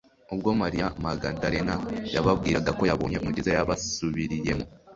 Ubwo Mariya Magadalena yababwiraga ko yabonye Umukiza yabasubiriyemo